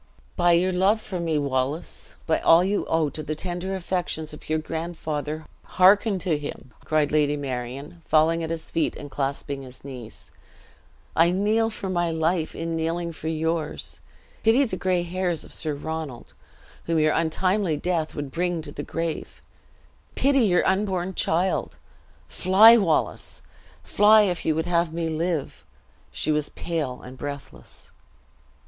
"By your love for me, Wallace by all you owe to the tender affections of your grandfather, hearken to him!" cried Lady Marion, falling at his feet, and clasping his knees. "I kneel for my life in kneeling for yours! Pity the gray hairs of Sir Ronald, whom your untimely death would bring to the grave! Pity your unborn child! Fly, Wallace, fly if you would have me live!" She was pale and breathless.